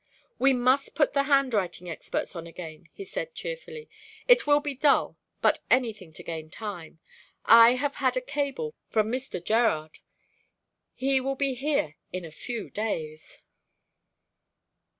"We must put the handwriting experts on again," he said, cheerfully. "It will be dull, but anything to gain time. I have had a cable from Mr. Gerard. He will be here in a few days."